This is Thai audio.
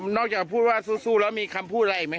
อ่านอกจากพูดว่าสู้สู้แล้วมีคำพูดอะไรไหมครับผม